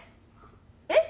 えっ？